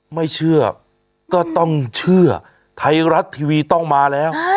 ไม่เชื่อก็ต้องเชื่อไทยรัฐทีวีต้องมาแล้ว